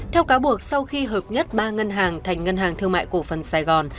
theo cáo buộc sau khi hợp nhất ba ngân hàng thành ngân hàng thương mại cổ phần sài gòn